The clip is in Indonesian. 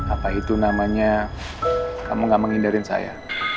apa itu namanya kamu gak menghindarin saya